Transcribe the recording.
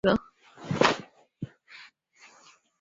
早年肄业于绥德省立第四师范学校肄业。